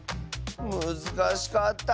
むずかしかった。